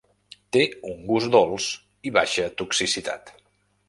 Té un gust dolç i baixa toxicitat.